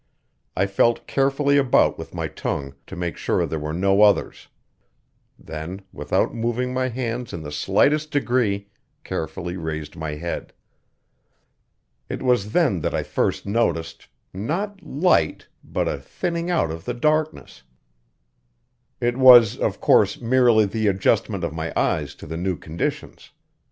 I felt carefully about with my tongue to make sure there were no others; then, without moving my hands in the slightest degree, carefully raised my head. It was then that I first noticed not light, but a thinning out of the darkness. It was, of course, merely the adjustment of my eyes to the new conditions.